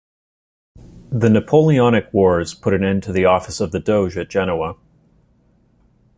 The Napoleonic Wars put an end to the office of doge at Genoa.